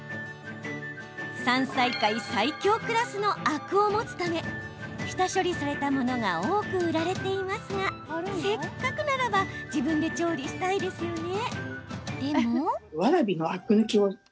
山菜界、最強クラスのアクを持つため下処理されたものが多く売られていますがせっかくならば自分で調理したいですよね。